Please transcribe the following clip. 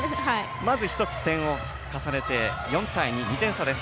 まず１つ、点を重ねて２点差。